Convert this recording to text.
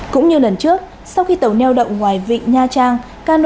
cũng như lần trước sau khi tàu neo đậu ngoài vịnh nha trang